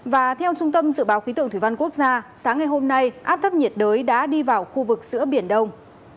và theo trung tâm dự báo khí tượng thủy văn quốc gia sáng ngày hôm nay áp thấp nhiệt đới đã đi vào khu vực giữa biển đông